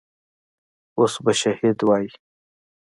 اوس به شهيد وم.